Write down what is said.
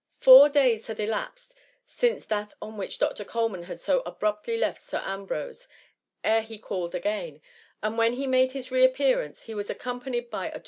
Four days had elapsed since that on which Dr. Coleman had so abruptly left Sir Am* brose, ere he called again, and when he made his re appearance, he was accompanied by a